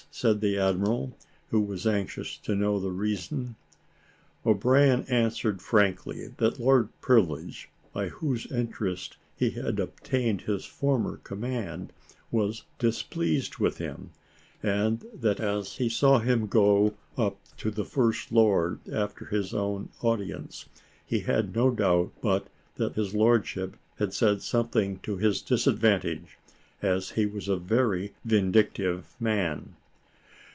said the admiral, who was anxious to know the reason. O'Brien answered frankly, that Lord Privilege, by whose interest he had obtained his former command, was displeased with him; and that as he saw him go up to the First Lord after his own audience, he had no doubt but that his lordship had said something to his disadvantage, as he was a very vindictive man.